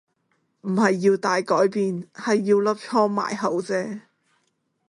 唔係要大改變係要粒瘡埋口啫